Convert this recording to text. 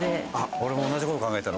俺も同じ事考えてたの。